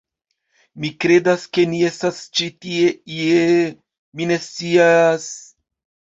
Mi kredas, ke ni estas eble ĉi tie ie... mi ne scias...